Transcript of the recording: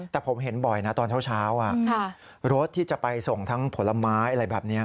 แต่ผมเห็นบ่อยนะตอนเช้ารถที่จะไปส่งทั้งผลไม้อะไรแบบนี้